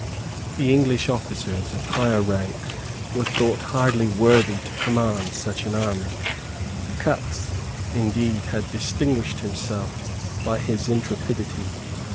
The English officers of higher rank were thought hardly worthy to command such an army. Cutts, indeed, had distinguished himself by his intrepidity.